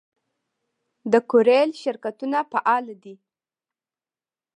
د کوریر شرکتونه فعال دي؟